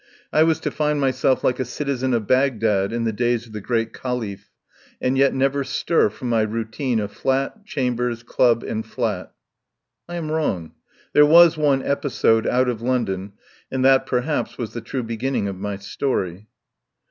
I was to find myself like a citizen of Bagdad in the days of the great Caliph, and yet never stir from my routine of flat, chambers, club, and flat. I am wrong; there was one episode out of London, and that perhaps was the true be ginning of my story.